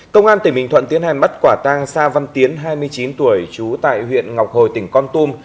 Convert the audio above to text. công an tỉnh bình thuận tiến hành bắt quả tang sa văn tiến hai mươi chín tuổi trú tại huyện ngọc hồi tỉnh con tum